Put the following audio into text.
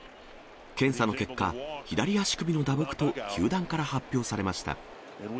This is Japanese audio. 検査の結果、左足首の打撲と球団から発表されました。